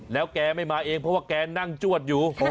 แล้วแกไม่มาเองเพราะว่าแกนั่งจวดอยู่